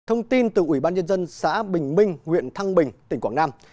thông tin từ ubnd xã bình minh huyện thăng bình tỉnh quảng nam